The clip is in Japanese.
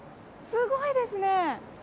すごいですね。